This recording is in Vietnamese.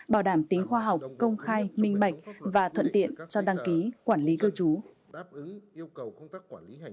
bảo đảm tính khoa học công khai minh bạch và thuận tiện cho đăng ký quản lý cư trú